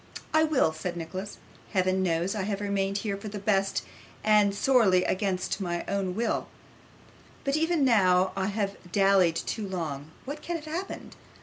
'I will,' said Nicholas. 'Heaven knows I have remained here for the best, and sorely against my own will; but even now I may have dallied too long. What can have happened?